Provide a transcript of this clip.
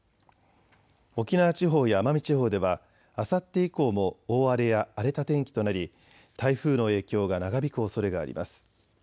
沖縄地方や奄美地方ではあさって以降も大荒れや荒れた天気となり台風の影響が長引くおそれがあります。